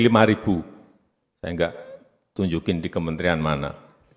saya nggak tunjukin di kementerian mana